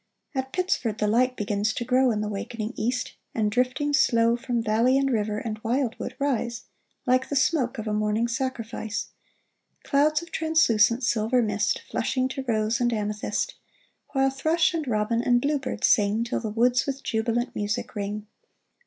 At Pittsford the light begins to grow In the wakening east ; and drifting slow, From valley and river and wildwood, rise, Like the smoke of a morning sacrifice, Clouds of translucent, silver mist, Flushing to rose and amethyst ; While thrush and robin and bluebird sing Till the woods with jubilant music ring